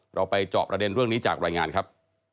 เราไปเจาะประเด็นเรื่องนี้จากรายงานครับ